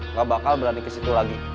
nggak bakal berani ke situ lagi